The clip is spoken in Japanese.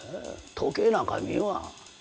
時計なんか見んわ。